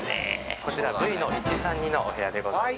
こちら、Ｖの１３２のお部屋でございます。